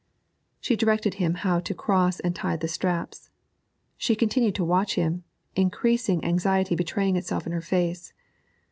She directed him how to cross and tie the straps; she continued to watch him, increasing anxiety betraying itself in her face.